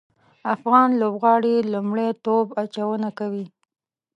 افغان لوبغاړي لومړی توپ اچونه کوي